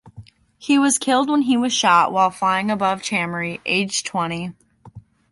He was killed when he was shot while flying above Chamery, aged twenty.